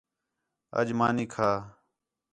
اَڄ مانی کھا